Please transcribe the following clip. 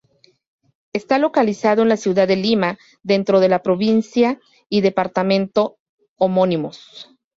Está localizado en la ciudad de Lima, dentro de la provincia y departamento homónimos.